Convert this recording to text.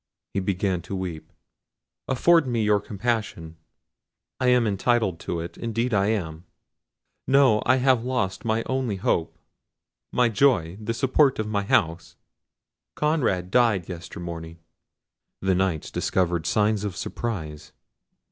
(he began to weep); "afford me your compassion; I am entitled to it, indeed I am. Know, I have lost my only hope, my joy, the support of my house—Conrad died yester morning." The Knights discovered signs of surprise.